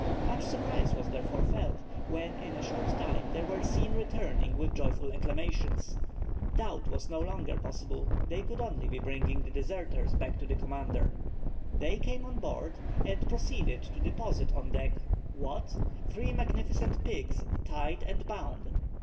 Much surprise was therefore felt when in a short time they were seen returning with joyful acclamations. Doubt was no longer possible, they could only be bringing the deserters back to the commander. They came on board, and proceeded to deposit on deck what? three magnificent pigs, tied and bound.